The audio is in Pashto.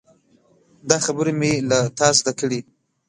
دا خبرې مې له تا زده کړي.